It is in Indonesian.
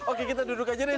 oke kita duduk aja deh